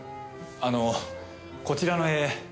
あのこちらの絵。